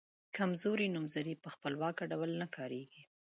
کمزوري نومځري په خپلواکه ډول نه کاریږي.